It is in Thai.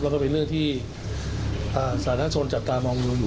แล้วก็เป็นเรื่องที่สถานทรวจจัดการมองมูลอยู่